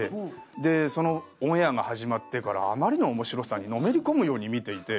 でそのオンエアが始まってからあまりの面白さにのめり込むように見ていて。